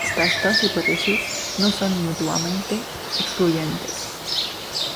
Estas dos hipótesis no son mutuamente excluyentes.